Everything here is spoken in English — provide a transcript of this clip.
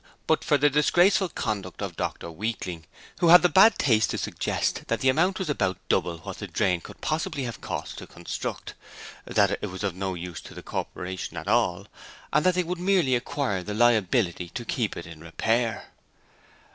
but for the disgraceful conduct of Dr Weakling, who had the bad taste to suggest that the amount was about double what the drain could possibly have cost to construct, that it was of no use to the Corporation at all, and that they would merely acquire the liability to keep it in repair.